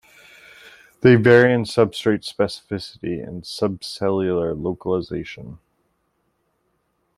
They vary in substrate specificity and subcellular localization.